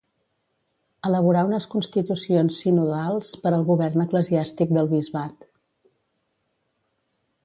Elaborà unes constitucions sinodals per al govern eclesiàstic del bisbat.